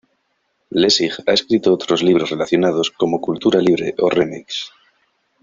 Lessig ha escrito otros libros relacionados como "Cultura libre" o "Remix".